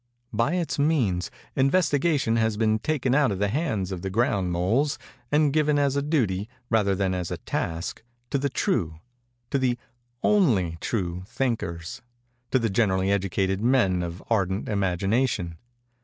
By its means, investigation has been taken out of the hands of the ground moles, and given as a duty, rather than as a task, to the true—to the only true thinkers—to the generally educated men of ardent imagination.